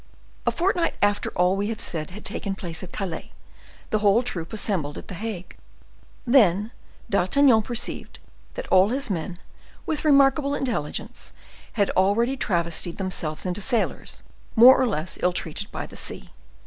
A fortnight after all we have said had taken place at Calais, the whole troop assembled at the Hague. Then D'Artagnan perceived that all his men, with remarkable intelligence, had already travestied themselves into sailors, more or less ill treated by the sea.